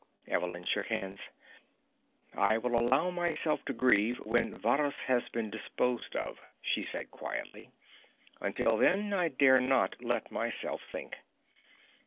Evelyn shook hands. "I will allow myself to grieve when Varrhus has been disposed of," she said quietly. "Until then I dare not let myself think."